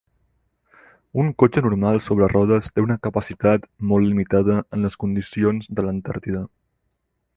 Un cotxe normal sobre rodes té una capacitat molt limitada en les condicions de l'Antàrtida.